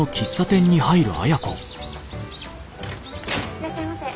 いらっしゃいませ。